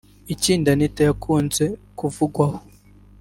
Ikindi Anita yakunze kuvugwaho